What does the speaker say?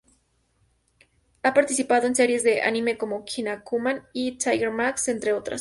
Ha participado en series de anime como Kinnikuman y Tiger Mask, entre otras.